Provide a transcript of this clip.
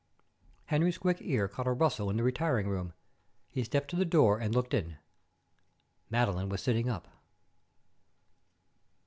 Henry's quick ear caught a rustle in the retiring room. He stepped to the door and looked in. Madeline was sitting up.